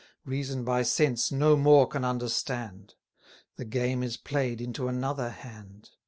Reason by sense no more can understand; The game is play'd into another hand.